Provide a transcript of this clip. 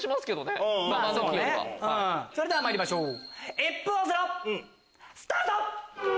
それではまいりましょう１分オセロスタート！